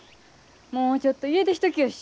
もうちょっと家出しときよし。